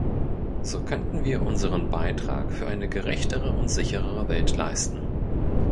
So könnten wir unseren Beitrag für eine gerechtere und sicherere Welt leisten.